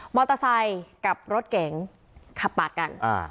มอเตอร์ไซค์กับรถเก๋งขับปาดกัน